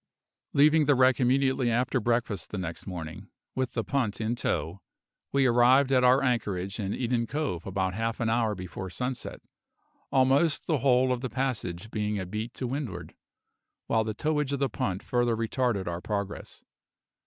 Leaving the wreck immediately after breakfast the next morning, with the punt in tow, we arrived at our anchorage in Eden Cove about half an hour before sunset, almost the whole of the passage being a beat to windward, while the towage of the punt further retarded our progress.